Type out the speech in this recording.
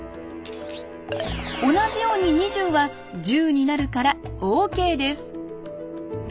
同じように２０は１０になるからＯＫです。